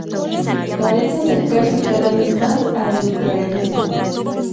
Parece acercarse cada vez más al luteranismo.